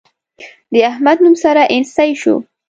د احمد نوم سره اينڅۍ شو.